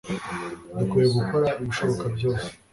dukwiye gukora ibishoboka byose